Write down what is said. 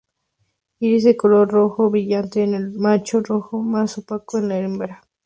Iris de color rojo brillante en el macho, rojo más opaco en la hembra.